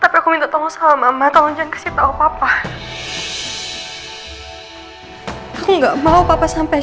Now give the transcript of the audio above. tapi aku minta tolong sama mata lonceng kasih tahu papa aku nggak mau papa sampai